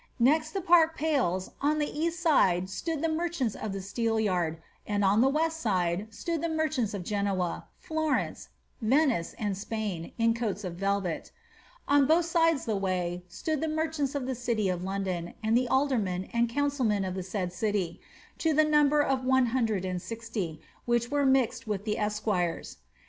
Next the park pales, on the east side stood the merchants of the Steelyard, and on the west side stood the mercliants of Genoa, Florence, Venice, and Spain, in coats of velvet On both sides the way stood the merchants of the city of London, and the aldermen and council of the said city, to the number of one hundred and sixty, which were mixed with the esquires.